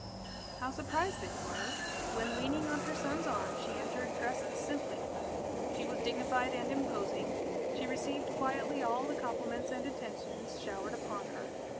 How surprised they were, when, leaning on her son's arm, she entered dressed simply. She was dignified and imposing. She received quietly all the compliments and attentions showered upon her.